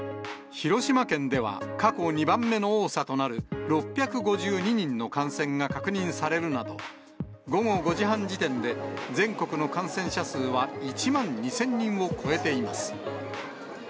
広島県では過去２番目の多さとなる、６５２人の感染が確認されるなど、午後５時半時点で、全国の感染者数は１万２０００人を超えています。